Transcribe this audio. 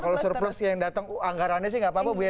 kalau surplus yang datang anggarannya sih nggak apa apa